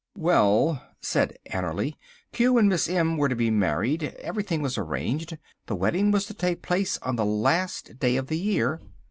"Well," said Annerly, "Q and Miss M were to be married. Everything was arranged. The wedding was to take place on the last day of the year.